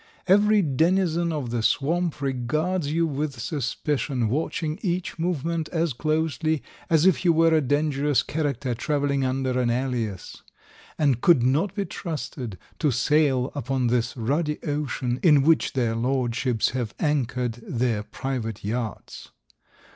Every denizen of the swamp regards you with suspicion, watching each movement as closely as if you were a dangerous character traveling under an alias, and could not be trusted to sail upon this ruddy ocean in which their lordships have anchored their private yachts.